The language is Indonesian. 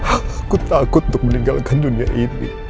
aku takut untuk meninggalkan dunia ini